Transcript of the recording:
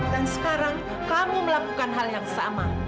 dan sekarang kamu melakukan hal yang sama